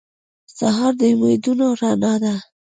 سهار د امیدونو رڼا ده.